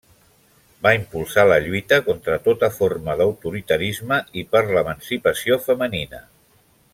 Va impulsar la lluita contra tota forma d'autoritarisme i per l'emancipació femenina.